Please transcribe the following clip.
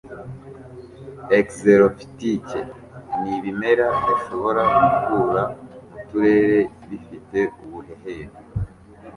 Xerofitike ni ibimera bishobora gukura mu turere bifite ubuhehere